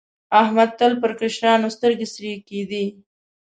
احمد تل پر کشرانو سترګې سرې کېدې.